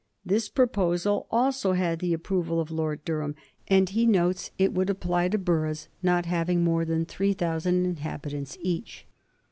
This proposal also had the approval of Lord Durham, and he notes it would apply to boroughs not having more than 3000 inhabitants each.